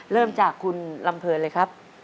เริ่มจากคุณลำเพลินเลยครับ